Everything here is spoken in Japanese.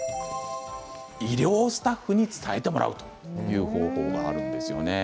医療スタッフに伝えてもらうという方法があるんですね。